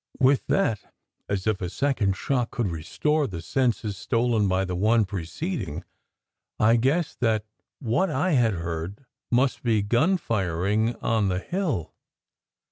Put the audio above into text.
With that, as if a second shock could restore the senses stolen by the one preceding, I guessed that what I had heard must be gunfiring on the hill.